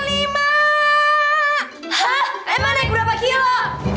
hah emma naik berapa kilo